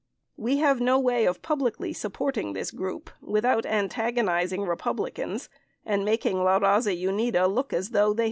We have no way of publicly supporting this group without antagonizing Republicans and making La Raza Unida look as though they had sold out.